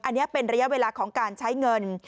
อันนี้เป็นระยะเวลาของการใช้เงิน